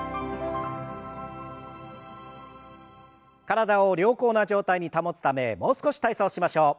体を良好な状態に保つためもう少し体操しましょう。